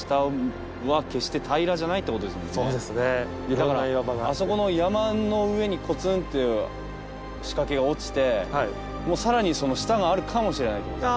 だからあそこの山の上にコツンと仕掛けが落ちて更にその下があるかもしれないってことですよね。